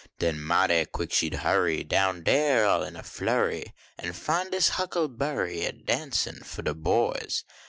Den mighty quick she d hurrv Down dar all in a flurry. An fin dis huckleberry A dancin fo de boys.